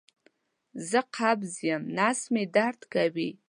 زه قبض یم نس مې درد کوي